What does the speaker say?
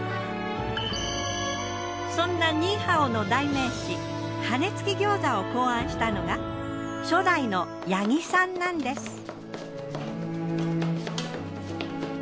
そんなニーハオの代名詞羽根付き餃子を考案したのが初代の八木さんなんです。